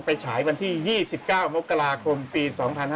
ฉายวันที่๒๙มกราคมปี๒๕๕๙